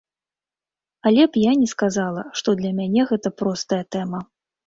Але я б не сказала што для мяне гэта простая тэма.